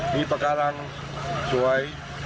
มีปากการังสวย